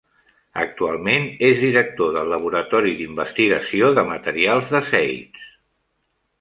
Actualment és director del Laboratori d'Investigació de Materials de Seitz.